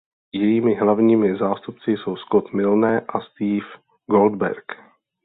Jejími hlavními zástupci jsou Scott Milne a Steve Goldberg.